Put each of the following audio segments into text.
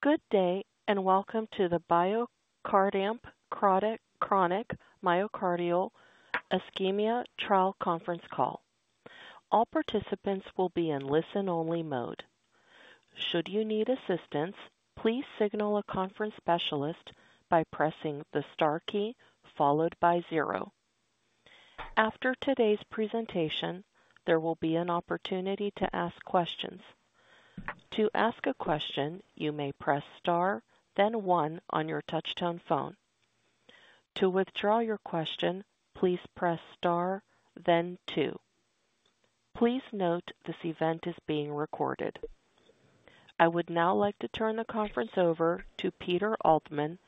Good day and welcome to the BioCardia CardiAMP Chronic Myocardial Ischemia Trial Conference Call. All participants will be in listen-only mode. Should you need assistance, please signal a conference specialist by pressing the star key followed by zero. After today's presentation, there will be an opportunity to ask questions. To ask a question, you may press star, then one on your touch-tone phone. To withdraw your question, please press star, then two. Please note this event is being recorded. I would now like to turn the conference over to Peter Altman,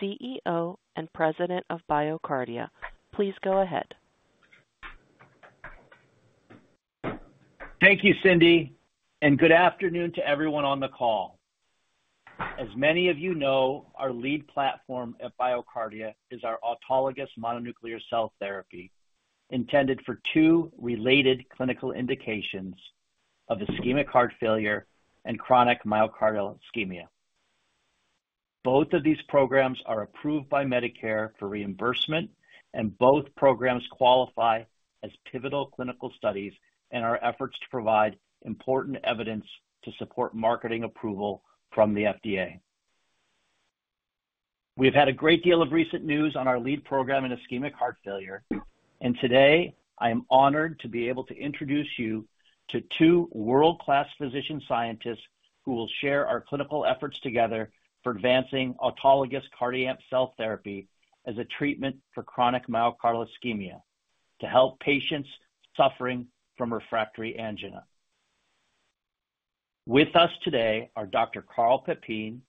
CEO and President of BioCardia. Please go ahead. Thank you, Cindy, and good afternoon to everyone on the call. As many of you know, our lead platform at BioCardia is our autologous mononuclear cell therapy intended for two related clinical indications of ischemic heart failure and chronic myocardial ischemia. Both of these programs are approved by Medicare for reimbursement, and both programs qualify as pivotal clinical studies in our efforts to provide important evidence to support marketing approval from the FDA. We've had a great deal of recent news on our lead program in ischemic heart failure, and today I am honored to be able to introduce you to two world-class physician scientists who will share our clinical efforts together for advancing autologous cardiac cell therapy as a treatment for chronic myocardial ischemia to help patients suffering from refractory angina. With us today are Dr. Carl Pepine,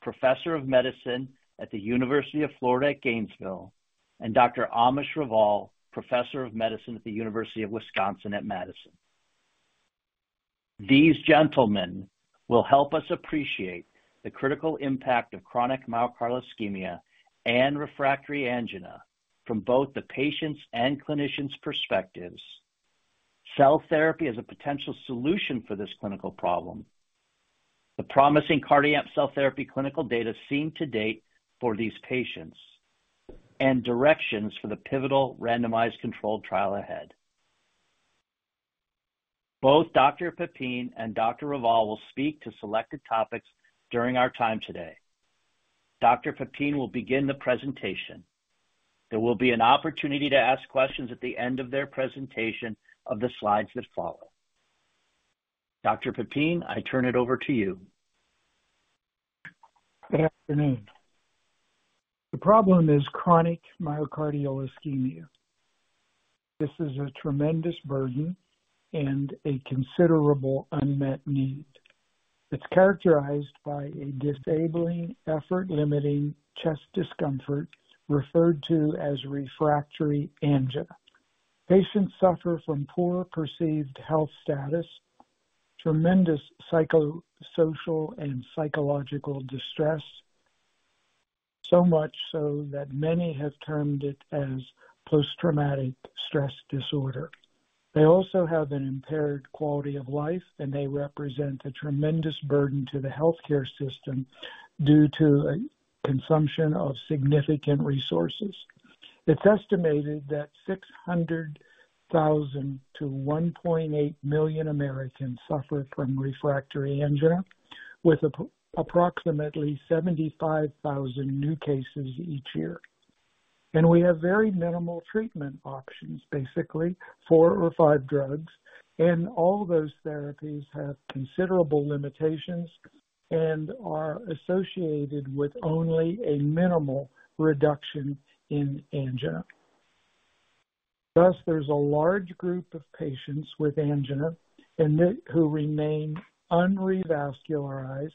Professor of Medicine at the University of Florida at Gainesville, and Dr. Amish Raval, Professor of Medicine at the University of Wisconsin-Madison. These gentlemen will help us appreciate the critical impact of chronic myocardial ischemia and refractory angina from both the patients' and clinicians' perspectives, cell therapy as a potential solution for this clinical problem, the promising cardiac cell therapy clinical data seen to date for these patients, and directions for the pivotal randomized controlled trial ahead. Both Dr. Pepine and Dr. Raval will speak to selected topics during our time today. Dr. Pepine will begin the presentation. There will be an opportunity to ask questions at the end of their presentation of the slides that follow. Dr. Pepine, I turn it over to you. Good afternoon. The problem is chronic myocardial ischemia. This is a tremendous burden and a considerable unmet need. It's characterized by a disabling effort-limiting chest discomfort referred to as refractory angina. Patients suffer from poor perceived health status, tremendous psychosocial and psychological distress, so much so that many have termed it as post-traumatic stress disorder. They also have an impaired quality of life, and they represent a tremendous burden to the healthcare system due to a consumption of significant resources. It's estimated that 600,000 to 1.8 million Americans suffer from refractory angina, with approximately 75,000 new cases each year. We have very minimal treatment options, basically four or five drugs, and all those therapies have considerable limitations and are associated with only a minimal reduction in angina. Thus, there's a large group of patients with angina who remain unrevascularized,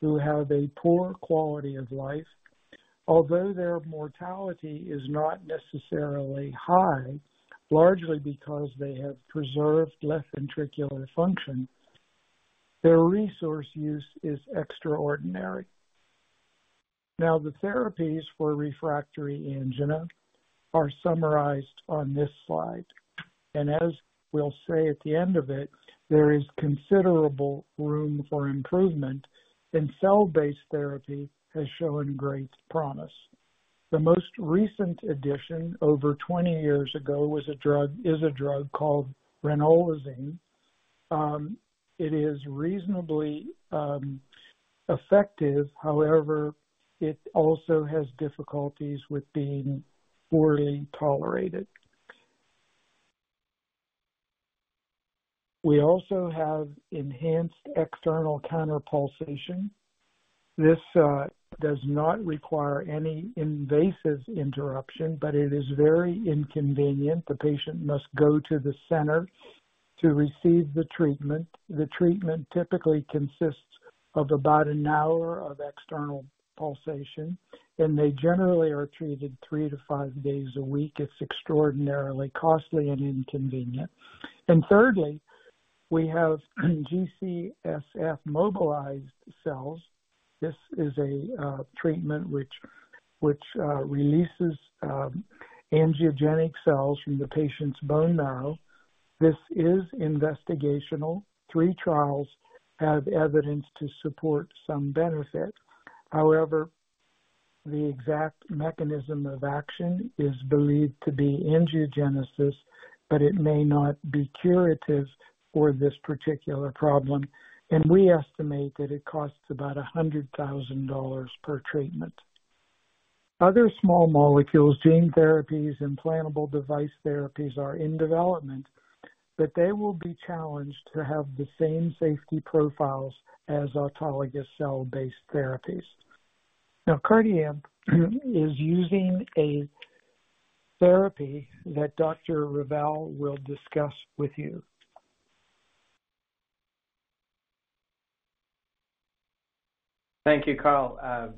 who have a poor quality of life. Although their mortality is not necessarily high, largely because they have preserved left ventricular function, their resource use is extraordinary. Now, the therapies for refractory angina are summarized on this slide, and as we'll say at the end of it, there is considerable room for improvement, and cell-based therapy has shown great promise. The most recent addition over 20 years ago is a drug called ranolazine. It is reasonably effective. However, it also has difficulties with being poorly tolerated. We also have enhanced external counterpulsation. This does not require any invasive interruption, but it is very inconvenient. The patient must go to the center to receive the treatment. The treatment typically consists of about an hour of external pulsation, and they generally are treated 3-5 days a week. It's extraordinarily costly and inconvenient. And thirdly, we have G-CSF-mobilized cells. This is a treatment which releases angiogenic cells from the patient's bone marrow. This is investigational. Three trials have evidence to support some benefit. However, the exact mechanism of action is believed to be angiogenesis, but it may not be curative for this particular problem, and we estimate that it costs about $100,000 per treatment. Other small molecules, gene therapies, implantable device therapies are in development, but they will be challenged to have the same safety profiles as autologous cell-based therapies. Now, CardiAMP is using a therapy that Dr. Raval will discuss with you. Thank you, Carl.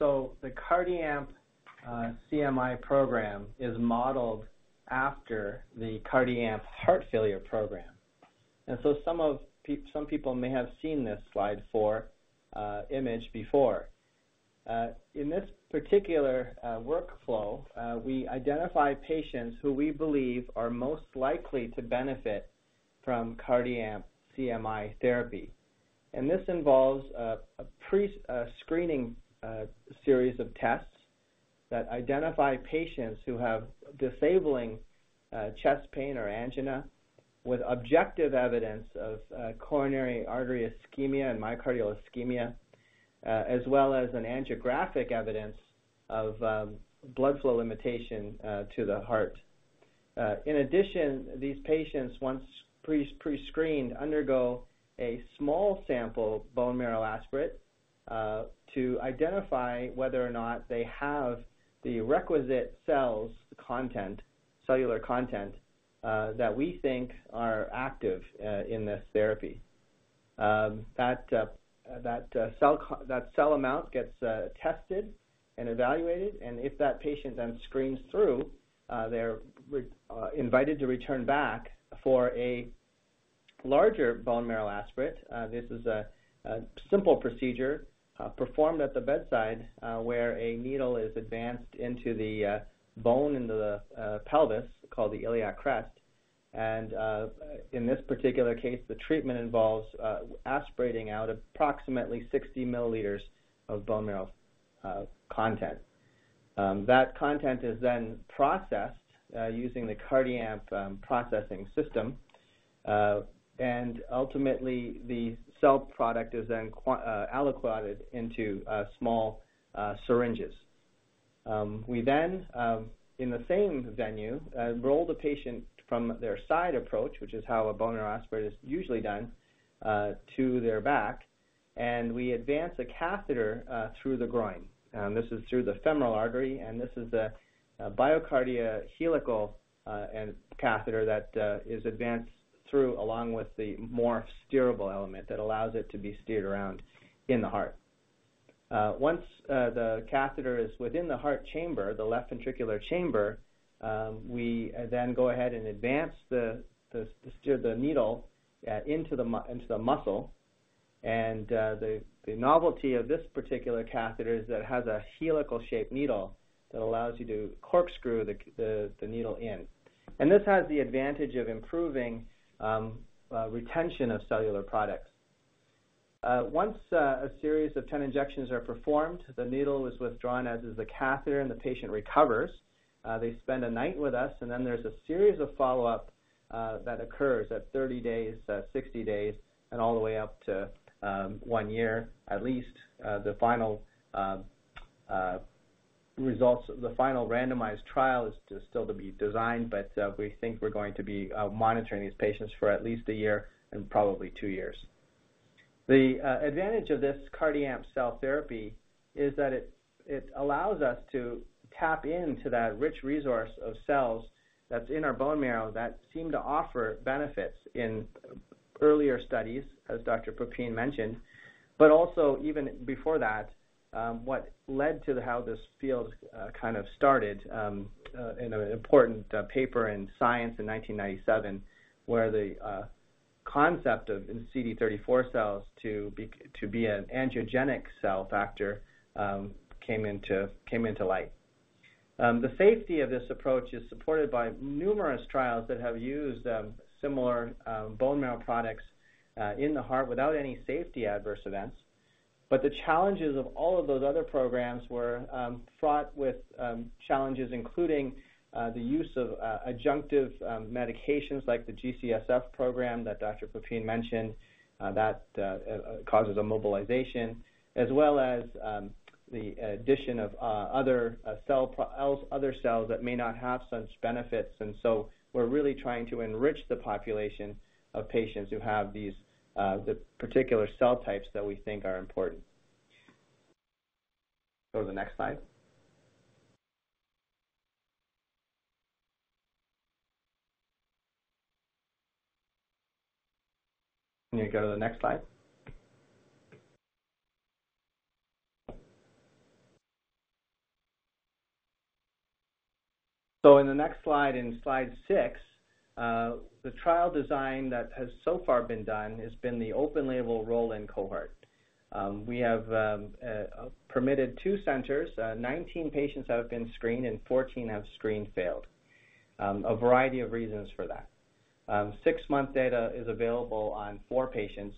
So the CardiAMP CMI program is modeled after the CardiAMP heart failure program, and so some people may have seen this slide 4 image before. In this particular workflow, we identify patients who we believe are most likely to benefit from CardiAMP CMI therapy, and this involves a screening series of tests that identify patients who have disabling chest pain or angina with objective evidence of coronary artery ischemia and myocardial ischemia, as well as an angiographic evidence of blood flow limitation to the heart. In addition, these patients, once prescreened, undergo a small sample bone marrow aspirate to identify whether or not they have the requisite cell content, cellular content, that we think are active in this therapy. That cell amount gets tested and evaluated, and if that patient then screens through, they're invited to return back for a larger bone marrow aspirate. This is a simple procedure performed at the bedside where a needle is advanced into the bone in the pelvis called the iliac crest, and in this particular case, the treatment involves aspirating out approximately 60 ml of bone marrow content. That content is then processed using the CardiAMP processing system, and ultimately, the cell product is then aliquoted into small syringes. We then, in the same venue, roll the patient from their side approach, which is how a bone marrow aspirate is usually done, to their back, and we advance a catheter through the groin. This is through the femoral artery, and this is the BioCardia helical catheter that is advanced through along with the Morph steerable element that allows it to be steered around in the heart. Once the catheter is within the heart chamber, the left ventricular chamber, we then go ahead and advance the needle into the muscle, and the novelty of this particular catheter is that it has a helical-shaped needle that allows you to corkscrew the needle in, and this has the advantage of improving retention of cellular products. Once a series of 10 injections are performed, the needle is withdrawn as is the catheter, and the patient recovers. They spend a night with us, and then there's a series of follow-ups that occurs at 30 days, 60 days, and all the way up to one year at least. The final randomized trial is still to be designed, but we think we're going to be monitoring these patients for at least a year and probably two years. The advantage of this CardiAMP cell therapy is that it allows us to tap into that rich resource of cells that's in our bone marrow that seem to offer benefits in earlier studies, as Dr. Pepine mentioned, but also even before that, what led to how this field kind of started in an important paper in science in 1997 where the concept of CD34 cells to be an angiogenic cell factor came into light. The safety of this approach is supported by numerous trials that have used similar bone marrow products in the heart without any safety adverse events, but the challenges of all of those other programs were fraught with challenges including the use of adjunctive medications like the G-CSF program that Dr. Pepine mentioned that causes immobilization, as well as the addition of other cells that may not have such benefits, and so we're really trying to enrich the population of patients who have these particular cell types that we think are important. Go to the next slide. Can you go to the next slide? So in the next slide, in slide six, the trial design that has so far been done has been the open-label roll-in cohort. We have permitted two centers. 19 patients have been screened, and 14 have screen failed, a variety of reasons for that. Six-month data is available on four patients,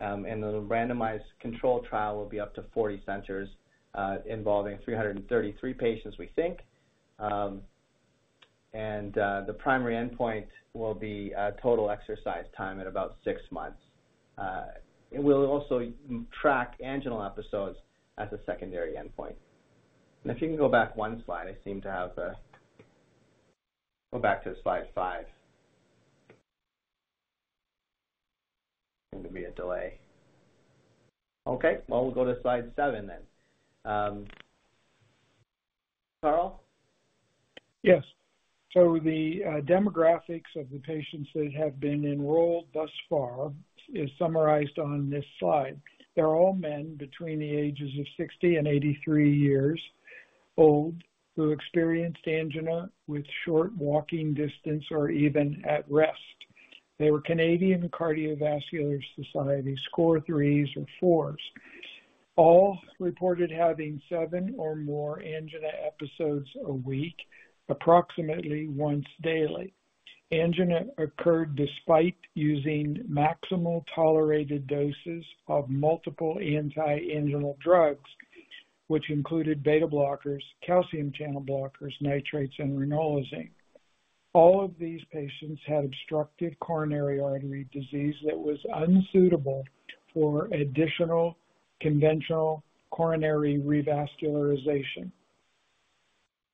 and the randomized control trial will be up to 40 centers involving 333 patients, we think, and the primary endpoint will be total exercise time at about six months. We'll also track anginal episodes as a secondary endpoint. If you can go back one slide, I seem to have to go back to slide five. There seems to be a delay. Okay, well, we'll go to slide seven then. Carl? Yes. So the demographics of the patients that have been enrolled thus far are summarized on this slide. They're all men between the ages of 60 and 83 years old who experienced angina with short walking distance or even at rest. They were Canadian Cardiovascular Society score 3s or 4s, all reported having seven or more angina episodes a week, approximately once daily. Angina occurred despite using maximal tolerated doses of multiple anti-anginal drugs, which included beta-blockers, calcium channel blockers, nitrates, and ranolazine. All of these patients had obstructive coronary artery disease that was unsuitable for additional conventional coronary revascularization.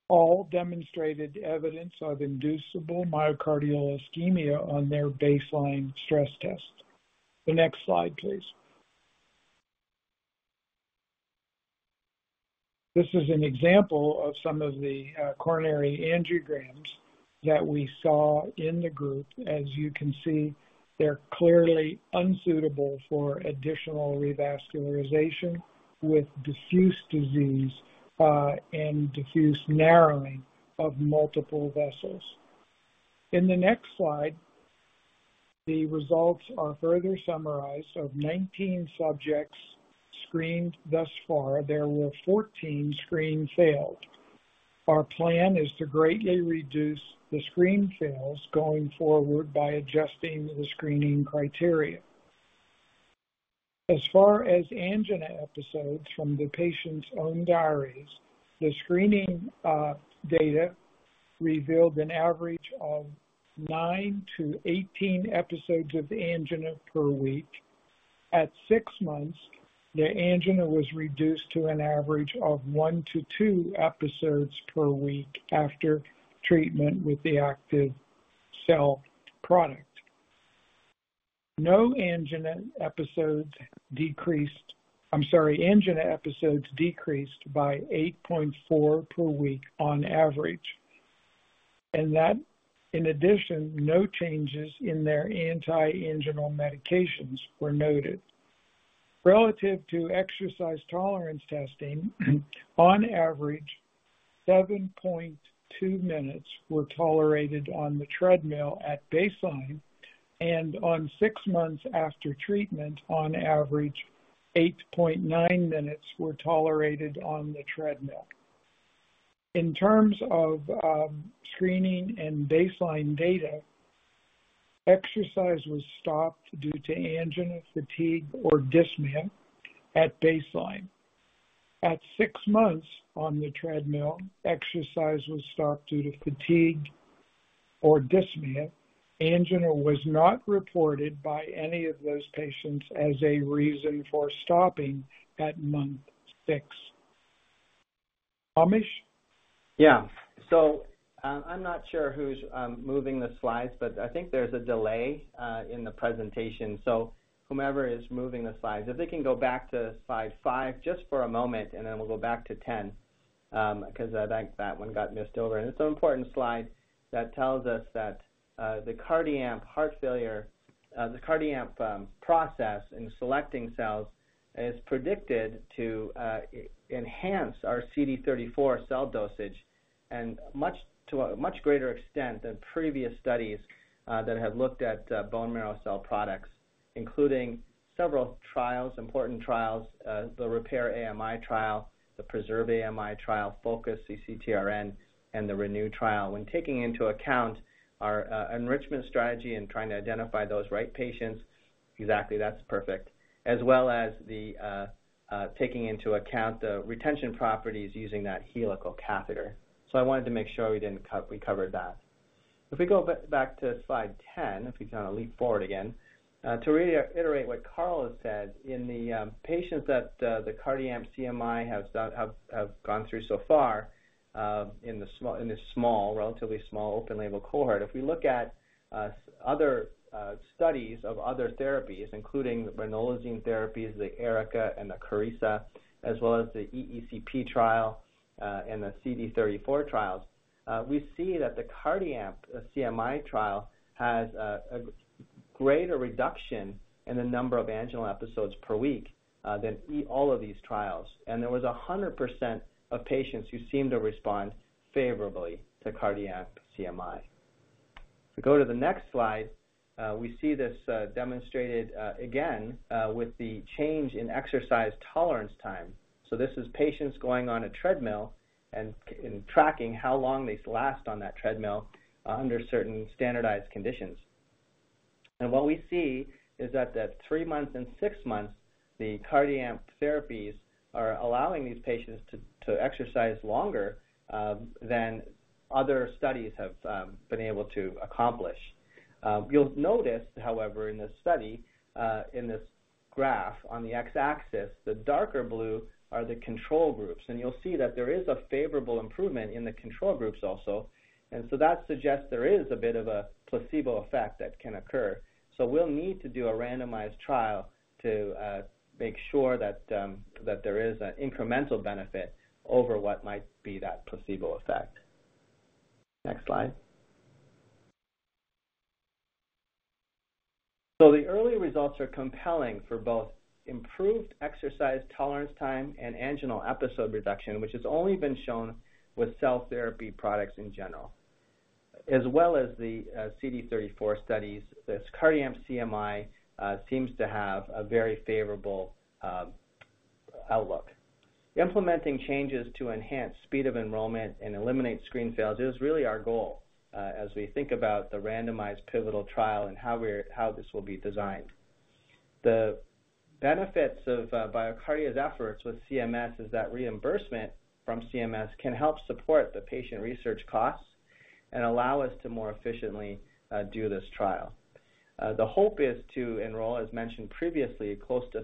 All demonstrated evidence of inducible myocardial ischemia on their baseline stress tests. The next slide, please. This is an example of some of the coronary angiograms that we saw in the group. As you can see, they're clearly unsuitable for additional revascularization with diffuse disease and diffuse narrowing of multiple vessels. In the next slide, the results are further summarized of 19 subjects screened thus far. There were 14 screen failed. Our plan is to greatly reduce the screen fails going forward by adjusting the screening criteria. As far as angina episodes from the patients' own diaries, the screening data revealed an average of 9 to 18 episodes of angina per week. At six months, the angina was reduced to an average of 1-2 episodes per week after treatment with the active cell product. No angina episodes decreased. I'm sorry, angina episodes decreased by 8.4 per week on average, and in addition, no changes in their anti-anginal medications were noted. Relative to exercise tolerance testing, on average, 7.2 minutes were tolerated on the treadmill at baseline, and at six months after treatment, on average, 8.9 minutes were tolerated on the treadmill. In terms of screening and baseline data, exercise was stopped due to angina, fatigue, or dyspnea at baseline. At six months on the treadmill, exercise was stopped due to fatigue or dyspnea. Angina was not reported by any of those patients as a reason for stopping at month six. Amish? Yeah. So I'm not sure who's moving the slides, but I think there's a delay in the presentation, so whoever is moving the slides, if they can go back to slide five just for a moment, and then we'll go back to 10 because I think that one got missed over. And it's an important slide that tells us that the CardiAMP heart failure the CardiAMP process in selecting cells is predicted to enhance our CD34 cell dosage in a much greater extent than previous studies that have looked at bone marrow cell products, including several important trials, the REPAIR-AMI trial, the PRESERVE-AMI trial, FOCUS-CCTRN, and the RENEW trial. When taking into account our enrichment strategy and trying to identify those right patients, exactly, as well as taking into account the retention properties using that helical catheter. So I wanted to make sure we covered that. If we go back to slide 10, if we kind of leap forward again, to reiterate what Carl has said, in the patients that the CardiAMP CMI have gone through so far in this small, relatively small open-label cohort, if we look at other studies of other therapies, including the ranolazine therapies, the ERICA, and the CARISA, as well as the EECP trial and the CD34 trials, we see that the CardiAMP CMI trial has a greater reduction in the number of anginal episodes per week than all of these trials, and there was 100% of patients who seemed to respond favorably to CardiAMP CMI. If we go to the next slide, we see this demonstrated again with the change in exercise tolerance time. This is patients going on a treadmill and tracking how long they last on that treadmill under certain standardized conditions. What we see is that at three months and six months, the CardiAMP therapies are allowing these patients to exercise longer than other studies have been able to accomplish. You'll notice, however, in this study, in this graph on the x-axis, the darker blue are the control groups, and you'll see that there is a favorable improvement in the control groups also, and so that suggests there is a bit of a placebo effect that can occur. We'll need to do a randomized trial to make sure that there is an incremental benefit over what might be that placebo effect. Next slide. So the early results are compelling for both improved exercise tolerance time and anginal episode reduction, which has only been shown with cell therapy products in general, as well as the CD34 studies. This CardiAMP CMI seems to have a very favorable outlook. Implementing changes to enhance speed of enrollment and eliminate screen fails is really our goal as we think about the randomized pivotal trial and how this will be designed. The benefits of BioCardia's efforts with CMS is that reimbursement from CMS can help support the patient research costs and allow us to more efficiently do this trial. The hope is to enroll, as mentioned previously, close to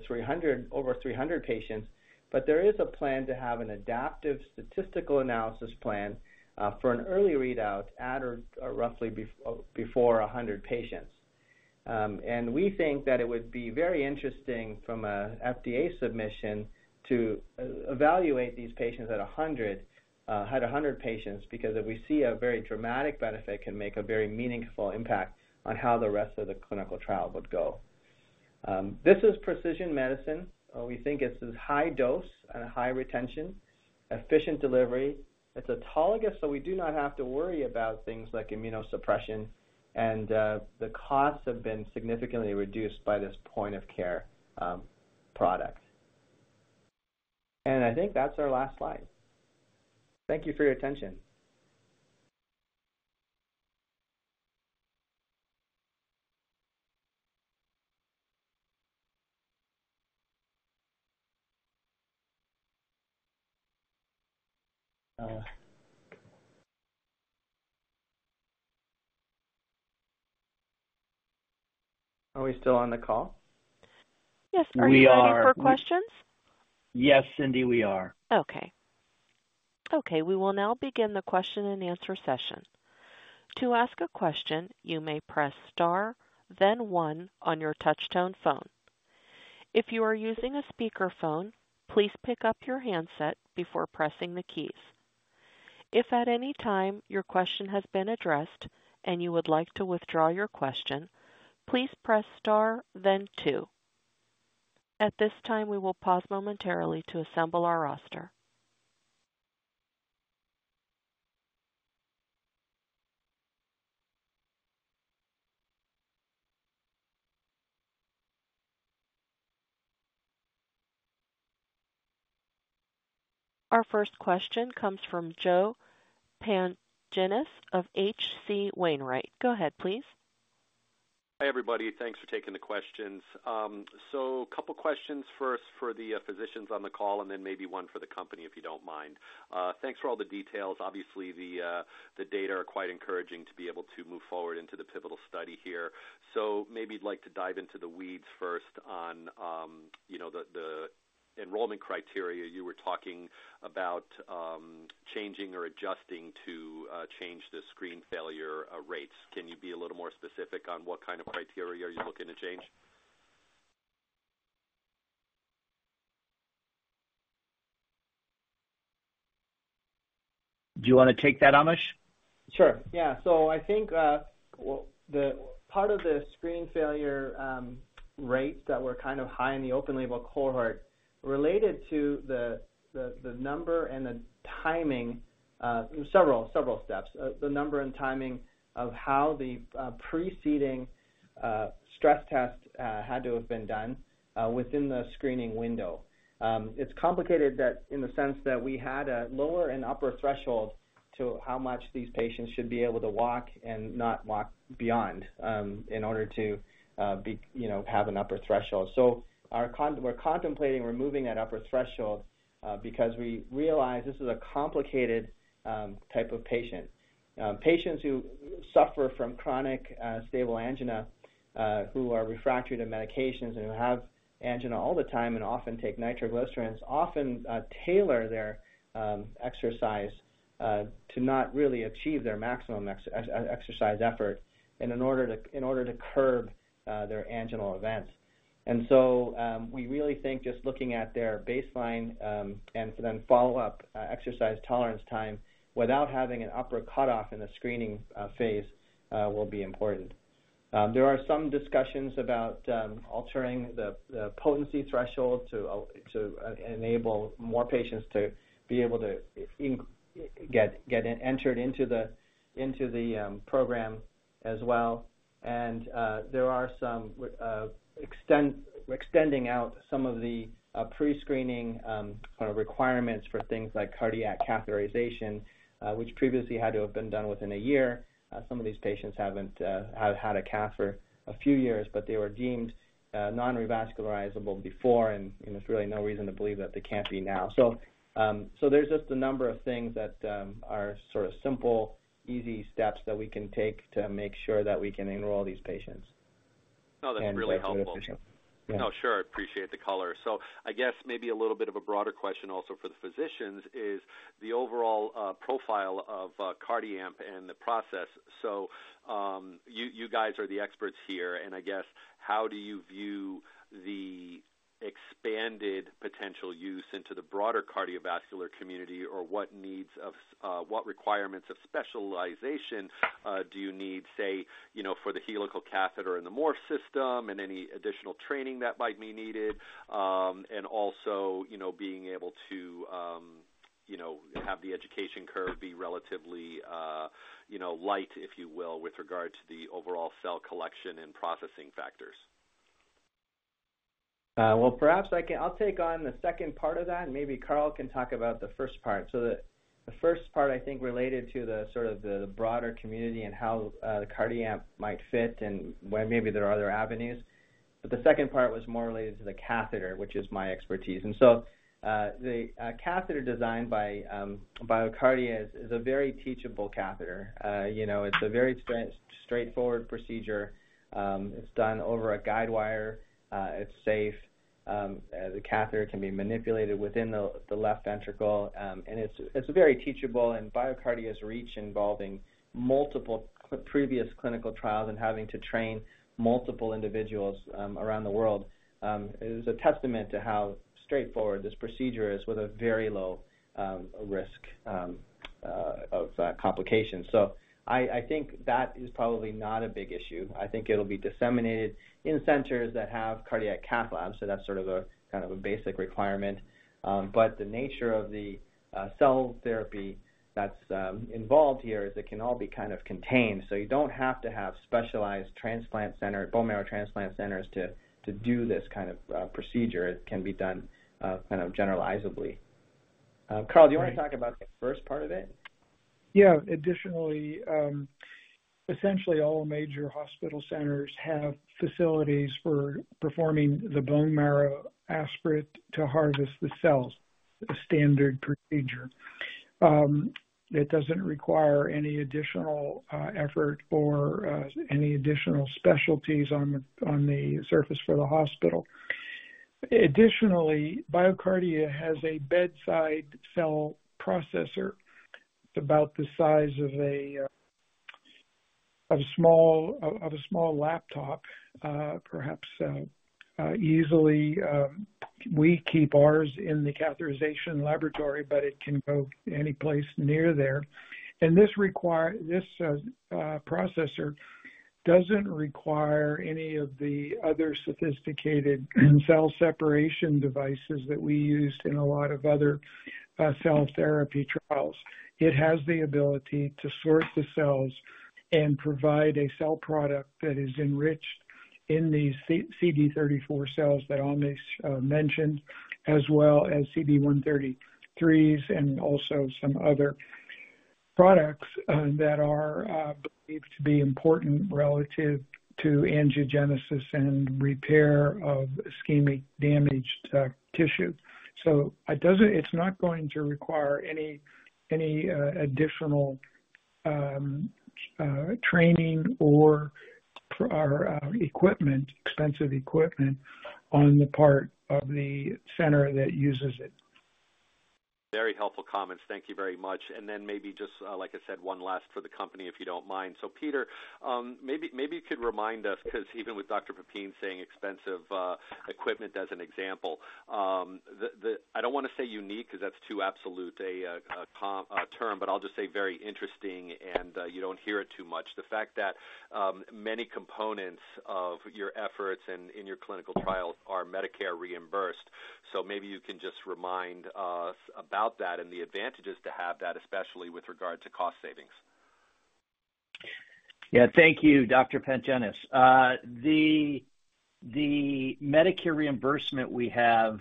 over 300 patients, but there is a plan to have an adaptive statistical analysis plan for an early readout at or roughly before 100 patients. We think that it would be very interesting from an FDA submission to evaluate these patients at 100 patients because if we see a very dramatic benefit, it can make a very meaningful impact on how the rest of the clinical trial would go. This is precision medicine. We think it's high dose and high retention, efficient delivery. It's autologous, so we do not have to worry about things like immunosuppression, and the costs have been significantly reduced by this point-of-care product. I think that's our last slide. Thank you for your attention. Are we still on the call? Yes. Are you ready for questions? We are. Yes, Cindy, we are. Okay. Okay. We will now begin the question-and-answer session. To ask a question, you may press star, then one on your touch-tone phone. If you are using a speakerphone, please pick up your handset before pressing the keys. If at any time your question has been addressed and you would like to withdraw your question, please press star, then two. At this time, we will pause momentarily to assemble our roster. Our first question comes from Joe Pantginis of H.C. Wainwright. Go ahead, please. Hi, everybody. Thanks for taking the questions. So a couple of questions first for the physicians on the call, and then maybe one for the company if you don't mind. Thanks for all the details. Obviously, the data are quite encouraging to be able to move forward into the pivotal study here. So maybe you'd like to dive into the weeds first on the enrollment criteria. You were talking about changing or adjusting to change the screen failure rates. Can you be a little more specific on what kind of criteria you're looking to change? Do you want to take that, Amish? Sure. Yeah. So I think part of the screen failure rates that were kind of high in the open-label cohort related to the number and the timing several steps, the number and timing of how the preceding stress test had to have been done within the screening window. It's complicated in the sense that we had a lower and upper threshold to how much these patients should be able to walk and not walk beyond in order to have an upper threshold. So we're contemplating removing that upper threshold because we realize this is a complicated type of patient. Patients who suffer from chronic, stable angina, who are refractory to medications and who have angina all the time and often take nitroglycerins, often tailor their exercise to not really achieve their maximum exercise effort in order to curb their anginal events. So we really think just looking at their baseline and then follow-up exercise tolerance time without having an upper cutoff in the screening phase will be important. There are some discussions about altering the potency threshold to enable more patients to be able to get entered into the program as well. There are some extending out some of the prescreening requirements for things like cardiac catheterization, which previously had to have been done within a year. Some of these patients haven't had a cath for a few years, but they were deemed non-revascularizable before, and there's really no reason to believe that they can't be now. So there's just a number of things that are sort of simple, easy steps that we can take to make sure that we can enroll these patients. No, that's really helpful. No, sure. I appreciate the color. So I guess maybe a little bit of a broader question also for the physicians is the overall profile of CardiAMP and the process. So you guys are the experts here, and I guess how do you view the expanded potential use into the broader cardiovascular community, or what requirements of specialization do you need, say, for the helical catheter and the MORPH system and any additional training that might be needed, and also being able to have the education curve be relatively light, if you will, with regard to the overall cell collection and processing factors? Well, perhaps I'll take on the second part of that, and maybe Carl can talk about the first part. So the first part, I think, related to sort of the broader community and how the CardiAMP might fit and maybe there are other avenues, but the second part was more related to the catheter, which is my expertise. And so the catheter designed by BioCardia is a very teachable catheter. It's a very straightforward procedure. It's done over a guidewire. It's safe. The catheter can be manipulated within the left ventricle, and it's very teachable. And BioCardia's reach involving multiple previous clinical trials and having to train multiple individuals around the world is a testament to how straightforward this procedure is with a very low risk of complications. So I think that is probably not a big issue. I think it'll be disseminated in centers that have cardiac cath labs. So that's sort of a kind of a basic requirement. But the nature of the cell therapy that's involved here is it can all be kind of contained. So you don't have to have specialized bone marrow transplant centers to do this kind of procedure. It can be done kind of generalizably. Carl, do you want to talk about the first part of it? Yeah. Additionally, essentially, all major hospital centers have facilities for performing the bone marrow aspirate to harvest the cells, a standard procedure. It doesn't require any additional effort or any additional specialties on the surface for the hospital. Additionally, BioCardia has a bedside cell processor. It's about the size of a small laptop, perhaps. Easily, we keep ours in the catheterization laboratory, but it can go any place near there. And this processor doesn't require any of the other sophisticated cell separation devices that we used in a lot of other cell therapy trials. It has the ability to sort the cells and provide a cell product that is enriched in these CD34 cells that Amish mentioned, as well as CD133s and also some other products that are believed to be important relative to angiogenesis and repair of ischemic damaged tissue. It's not going to require any additional training or expensive equipment on the part of the center that uses it. Very helpful comments. Thank you very much. And then maybe just, like I said, one last for the company, if you don't mind. So Peter, maybe you could remind us because even with Dr. Pepine saying expensive equipment as an example, I don't want to say unique because that's too absolute a term, but I'll just say very interesting, and you don't hear it too much, the fact that many components of your efforts and in your clinical trials are Medicare reimbursed. So maybe you can just remind us about that and the advantages to have that, especially with regard to cost savings. Yeah. Thank you, Dr. Pantginis. The Medicare reimbursement we have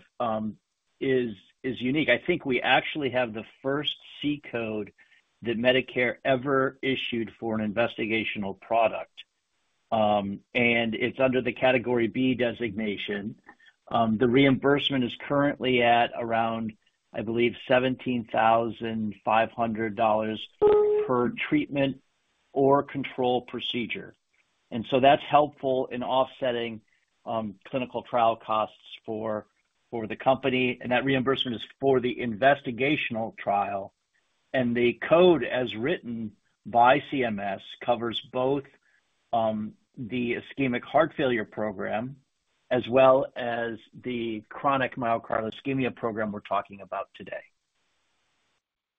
is unique. I think we actually have the first C code that Medicare ever issued for an investigational product, and it's under the category B designation. The reimbursement is currently at around, I believe, $17,500 per treatment or control procedure. And so that's helpful in offsetting clinical trial costs for the company. And that reimbursement is for the investigational trial. And the code as written by CMS covers both the ischemic heart failure program as well as the chronic myocardial ischemia program we're talking about today.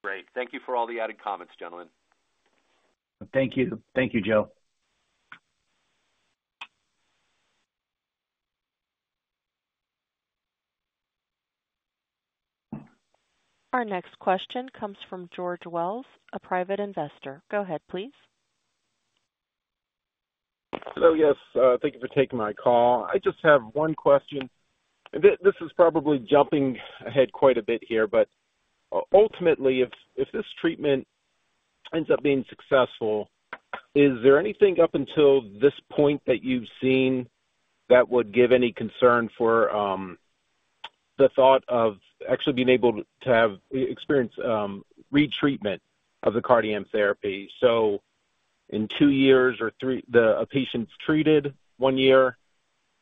Great. Thank you for all the added comments, gentlemen. Thank you. Thank you, Joe. Our next question comes from George Wells, a private investor. Go ahead, please. Hello. Yes. Thank you for taking my call. I just have one question. This is probably jumping ahead quite a bit here, but ultimately, if this treatment ends up being successful, is there anything up until this point that you've seen that would give any concern for the thought of actually being able to experience retreatment of the CardiAMP therapy? So in two years or three, a patient's treated one year,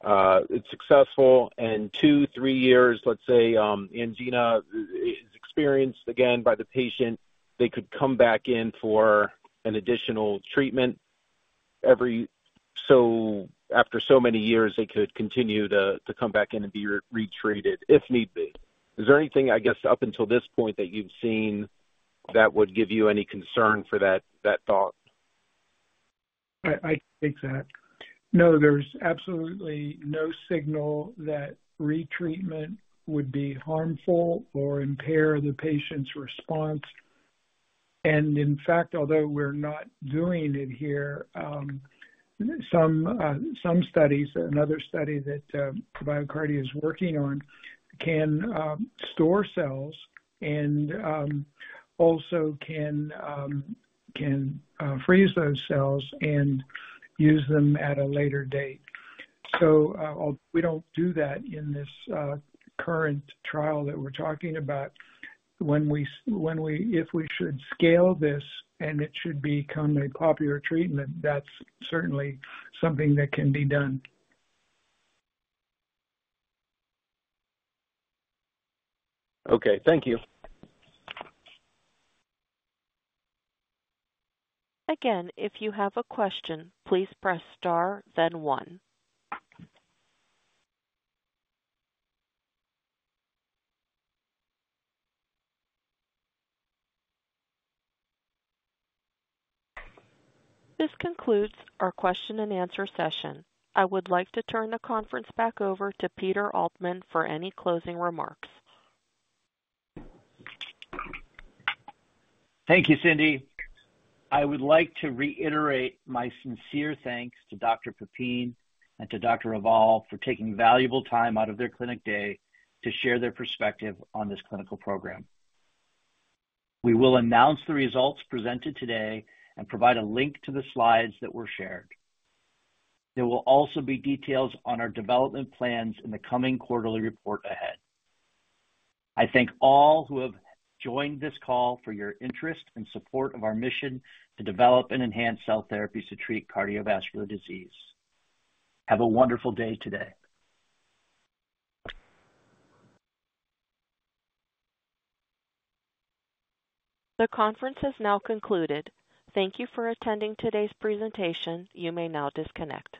it's successful. And two, three years, let's say angina is experienced again by the patient, they could come back in for an additional treatment. So after so many years, they could continue to come back in and be retreated if need be. Is there anything, I guess, up until this point that you've seen that would give you any concern for that thought? I think that. No, there's absolutely no signal that retreatment would be harmful or impair the patient's response. And in fact, although we're not doing it here, some studies, another study that BioCardia is working on, can store cells and also can freeze those cells and use them at a later date. So we don't do that in this current trial that we're talking about. If we should scale this and it should become a popular treatment, that's certainly something that can be done. Okay. Thank you. Again, if you have a question, please press star, then one. This concludes our question-and-answer session. I would like to turn the conference back over to Peter Altman for any closing remarks. Thank you, Cindy. I would like to reiterate my sincere thanks to Dr. Pepine and to Dr. Raval for taking valuable time out of their clinic day to share their perspective on this clinical program. We will announce the results presented today and provide a link to the slides that were shared. There will also be details on our development plans in the coming quarterly report ahead. I thank all who have joined this call for your interest and support of our mission to develop and enhance cell therapies to treat cardiovascular disease. Have a wonderful day today. The conference has now concluded. Thank you for attending today's presentation. You may now disconnect.